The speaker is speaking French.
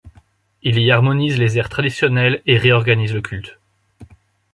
Il y harmonise les airs traditionnels et réorganise le culte.